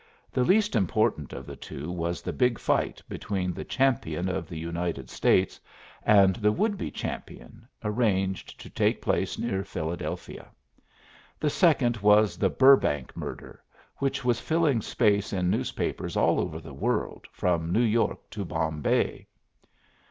The least important of the two was the big fight between the Champion of the United States and the Would be Champion, arranged to take place near Philadelphia; the second was the Burrbank murder, which was filling space in newspapers all over the world, from New York to Bombay.